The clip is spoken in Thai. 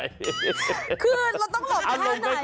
คือเราต้องหลบได้ไหน